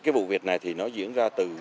cái vụ việc này thì nó diễn ra từ